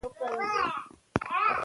افغانان د هند تر سمندر پورې رسیدلي وو.